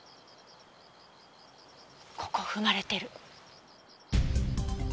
ここ踏まれてる。